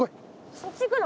そっち行くの？